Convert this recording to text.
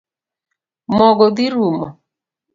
Mogo dhi rumo?